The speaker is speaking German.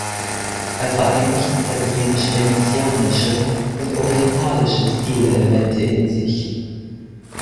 Er vereinigt italienisch-venezianische und orientalische Stilelemente in sich.